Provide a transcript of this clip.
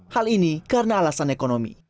hal ini karena alasan ekonomi